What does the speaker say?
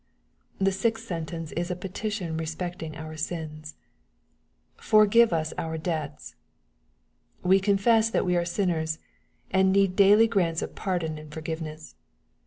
The sixth sentence is a petition respecting our sine : ^'Eorgive us our debts." We confess that we are sin ners, and need daily grants of pardon and forgiveness.